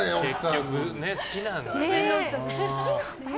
結局、好きなんだね。